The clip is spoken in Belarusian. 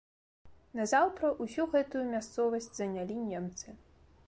Назаўтра ўсю гэтую мясцовасць занялі немцы.